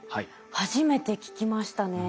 初めて聞きましたね。